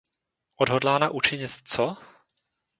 Odhodlána učinit co?